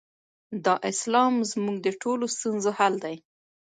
دا اسلام زموږ د ټولو ستونزو حل دی.